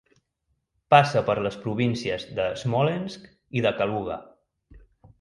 Passa per les províncies de Smolensk i de Kaluga.